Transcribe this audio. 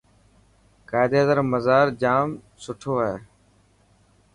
قائداعظم مزار ڄام سٺوهي.